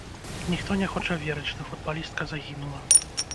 Ніхто не хоча верыць, што футбалістка загінула.